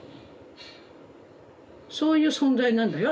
そういう存在なんだよ